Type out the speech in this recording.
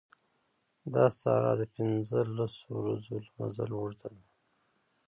دا صحرا د پنځه لسو ورځو مزل اوږده ده.